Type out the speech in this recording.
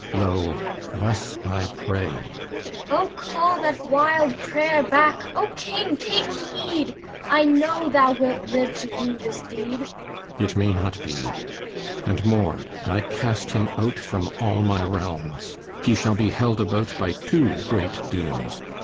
Lo, thus I pray. LEADER Oh, call that wild prayer back! O King, take heed! I know that thou wilt live to rue this deed. THESEUS It may not be. And more, I cast him out From all my realms. He shall be held about By two great dooms.